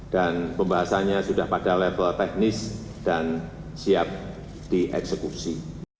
dan pembahasannya sudah pada level teknis dan siap dieksekusi